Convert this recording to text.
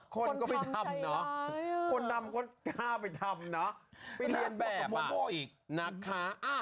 คนก็ไม่ทำเนอะคนทำก็กล้าไปทำเนอะไปเรียนแบบอะน่ากลัวกับโมโมอีกนะคะ